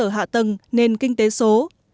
hạ tầng nền kinh tế số